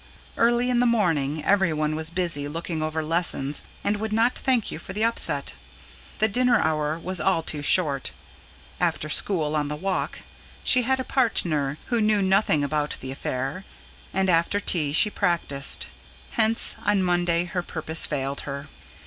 Early in the morning everyone was busy looking over lessons, and would not thank you for the upset, the dinner hour was all too short; after school, on the walk, she had a partner who knew nothing about the affair, and after tea she practised. Hence, on Monday her purpose failed her.